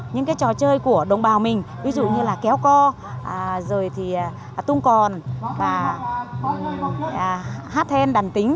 những trò chơi của đồng bào mình ví dụ như là kéo co tung còn hát hen đàn tính